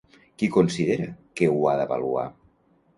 Qui considera que ho ha d'avaluar?